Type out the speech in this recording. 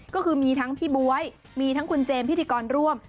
ก็คือมีทั้งพี่บ๊วยมีทั้งคุณเจมสพิธีกรร่วม